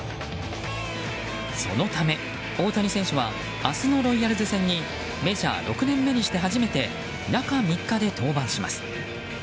そのため、大谷選手は明日のロイヤルズ戦にメジャー６年目にして初めて中３日で登板します。